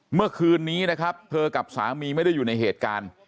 เมื่อคืนนี้นะครับเธอกับสามีไม่ได้อยู่ในเหตุการณ์